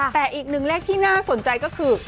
แต่อีกหนึ่งเลขที่น่าสนใจก็คือ